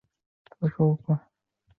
斯绍尔巴克。